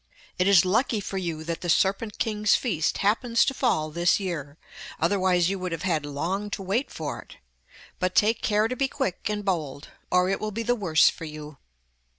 It is lucky for you that the serpent king's feast happens to fall this year, otherwise you would have had long to wait for it. But take care to be quick and bold, or it will be the worse for you.